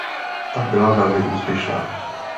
Ta byla velmi úspěšná.